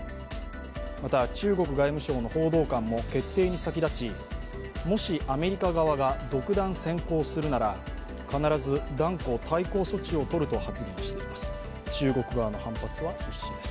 また中国外務省の報道官も決定に先立ち、もしアメリカ側が独断専行するなら必ず断固対抗措置を取ると発言しています。